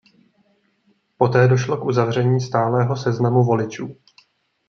Poté došlo k uzavření stálého seznamu voličů.